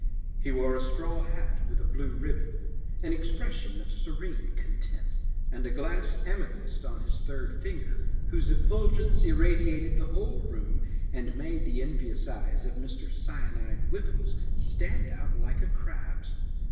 He wore a straw hat with a blue ribbon, an expression of serene content, and a glass amethyst on his third finger whose effulgence irradiated the whole room and made the envious eyes of Mr. Cyanide Whiffles stand out like a crab's.